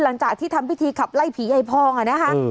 หลังจากที่ทำพิธีขับไล่ผียายพองอ่ะนะคะ